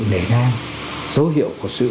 đề nang dấu hiệu của sự